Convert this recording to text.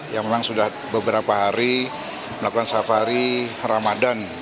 yang memang sudah beberapa hari melakukan safari ramadan